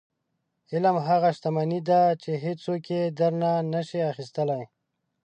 • علم هغه شتمني ده چې هیڅوک یې درنه نشي اخیستلی.